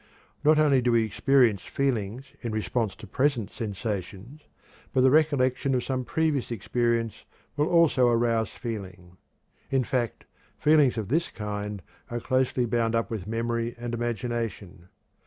Not only do we experience feelings in response to present sensations, but the recollection of some previous experience will also arouse feeling. In fact, feelings of this kind are closely bound up with memory and imagination.